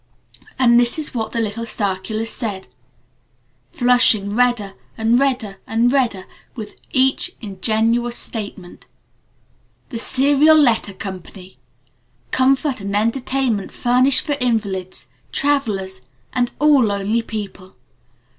And this is what the little circular said, flushing redder and redder and redder with each ingenuous statement: THE SERIAL LETTER COMPANY. Comfort and entertainment Furnished for Invalids, Travelers, and all Lonely People.